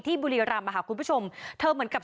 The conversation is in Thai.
บุรีรำค่ะคุณผู้ชมเธอเหมือนกับ